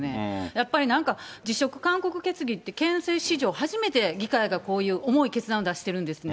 やっぱりなんか辞職勧告決議って、県政史上初めて議会がこういう重い決断を出してるんですね。